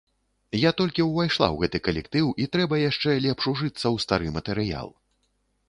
Я толькі ўвайшла ў гэты калектыў і трэба яшчэ лепш ужыцца ў стары матэрыял.